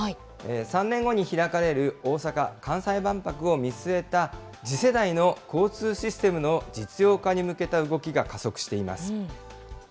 ３年後に開かれる大阪・関西万博を見据えた、次世代の交通システムの実用化に向けた動きが加速しています。